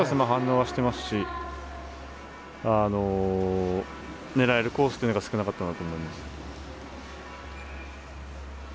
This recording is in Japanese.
反応していますし狙えるコースというのが少なかったなと思います。